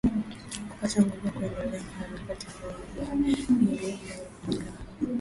kupata nguvu ya kuendelea na harakati zao hii ni hali ambayo ukiangalia na